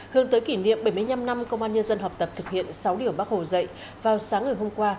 hướng tới kỷ niệm bảy mươi năm năm công an nhân dân học tập thực hiện sáu điều bác hồ dạy vào sáng ngày hôm qua